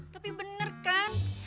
tapi bener kan